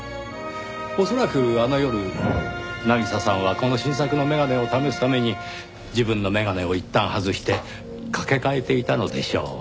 恐らくあの夜渚さんはこの新作の眼鏡を試すために自分の眼鏡をいったん外して掛け替えていたのでしょう。